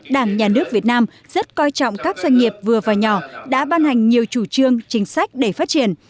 đảng nhà nước việt nam rất coi trọng các doanh nghiệp vừa và nhỏ đã ban hành nhiều chủ trương chính sách để phát triển